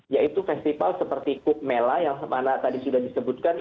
yaitu festival seperti kukmela yang mana tadi sudah disebutkan